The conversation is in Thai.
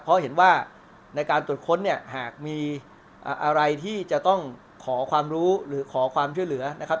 เพราะเห็นว่าในการตรวจค้นเนี่ยหากมีอะไรที่จะต้องขอความรู้หรือขอความช่วยเหลือนะครับ